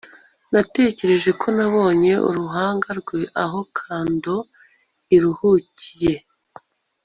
natekereje ko nabonye uruhanga rwe aho candor iruhukiye